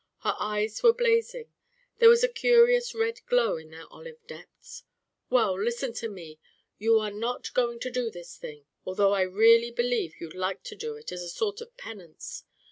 Her eyes were blazing. There was a curious red glow in their olive depths. "Well, listen to me: You are not going to do this thing, although I really believe you'd like to do it as a sort of penance.